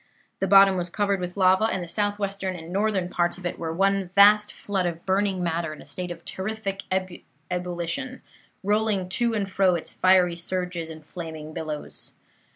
The bottom was covered with lava, and the southwestern and northern parts of it were one vast flood of burning matter in a state of terrific ebullition, rolling to and fro its 'fiery surges' and flaming billows.